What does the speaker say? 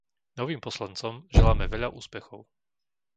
Novým poslancom želáme veľa úspechov.